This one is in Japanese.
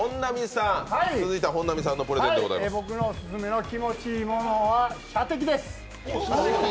僕のオススメの気持ち良いものは射的です。